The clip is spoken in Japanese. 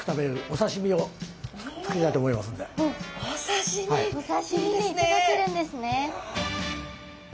お刺身でいただけるんですね。